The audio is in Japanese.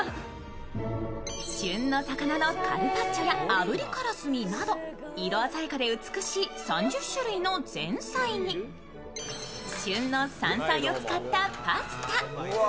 旬の魚のカルパッチョやあぶりカラスミなど色鮮やかで美しい３０種類の前菜に、旬の山菜を使ったパスタ。